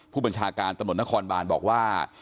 ผู้บัญชาการตมนตนณครบาลบอกว่า